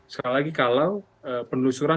sekali lagi kalau penelusuran